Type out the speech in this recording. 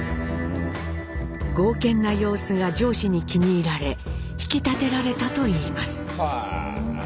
剛健な様子が上司に気に入られ引き立てられたといいます。